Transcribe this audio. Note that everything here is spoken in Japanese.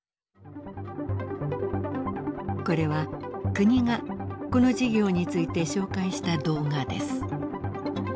これは国がこの事業について紹介した動画です。